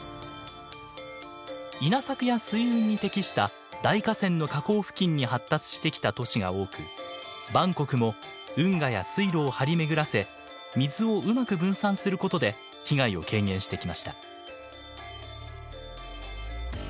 稲作や水運に適した大河川の河口付近に発達してきた都市が多くバンコクも運河や水路を張り巡らせ水をうまく分散することで被害を軽減してきました。